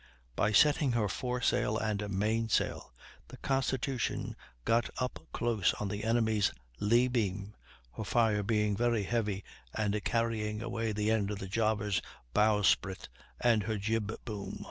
By setting her foresail and main sail the Constitution got up close on the enemy's lee beam, her fire being very heavy and carrying away the end of the Java's bowsprit and her jib boom.